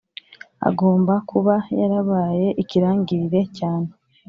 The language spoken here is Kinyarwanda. agomba kuba yarabaye ikirangirire cyane